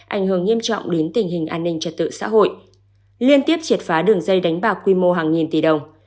ảnh hưởng nghiêm trọng đến tình hình an ninh trật tự xã hội liên tiếp triệt phá đường dây đánh bạc quy mô hàng nghìn tỷ đồng